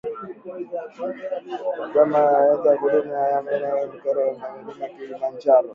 Tanzania yaweka huduma ya intaneti katika miteremko ya Mlima Kilimanjaro